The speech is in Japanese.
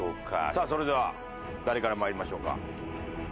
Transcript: さあそれでは誰からまいりましょうか？